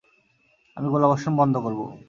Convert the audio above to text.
আমি গোলাবর্ষণ বন্ধ করব।